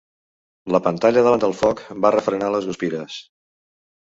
La pantalla davant del foc va refrenar les guspires.